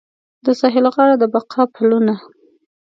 د ساحل غاړه د بقا پلونه